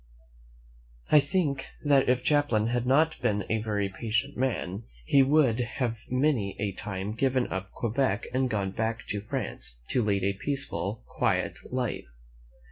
I think that if Champlain had not been a very patient man, he would have many a time given up Quebec and gone back to France to lead a peace ful, quiet life.